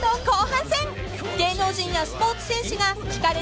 ［後半戦芸能人やスポーツ選手が］